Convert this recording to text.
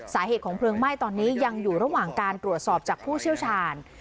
สาเหตุของเพลิงไหม้ตอนนี้ยังอยู่ระหว่างการตรวจสอบจากผู้เชี่ยวชาญ